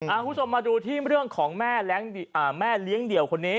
คุณผู้ชมมาดูที่เรื่องของแม่เลี้ยงเดี่ยวคนนี้